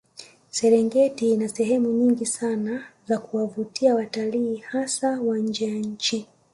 Serengeti ina sehemu nyingi sana za kuwavutia watalii hasa wa nje ya nchi